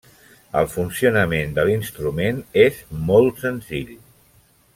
El funcionament de l'instrument és molt senzill.